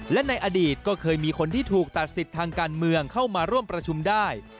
และในอดีตก็เคยมีคนที่ถูกตัดสิทธิ์ทางการเมืองเข้ามาร่วมประชุมได้